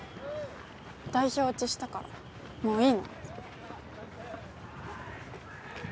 代表落ちしたからもういいの